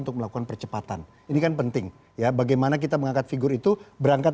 untuk melakukan percepatan ini kan penting ya bagaimana kita mengangkat figur itu berangkat